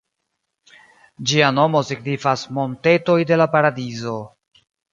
Ĝia nomo signifas "montetoj de la paradizo".